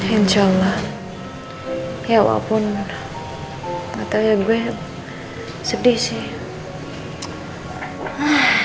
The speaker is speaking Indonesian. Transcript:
insya allah ya walaupun katanya gue sedih sih